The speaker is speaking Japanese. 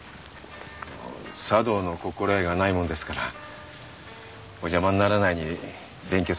あの茶道の心得がないもんですからお邪魔にならないように勉強させていただきます。